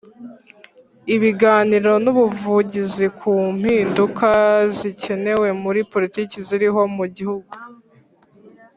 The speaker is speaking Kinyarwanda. Ibiganiro n ubuvugizi ku mpinduka zikenewe muri politiki ziriho mu gihugu